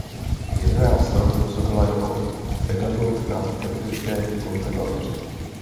Jedenáct let působila jako pedagog na teplické konzervatoři.